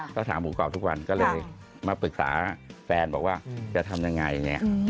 ก็ถามหมูกรอบทุกวันก็เลยมาปรึกษาแฟนบอกว่าจะทำยังไงเนี่ย